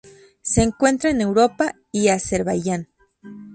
Se encuentra en Europa y Azerbaiyán.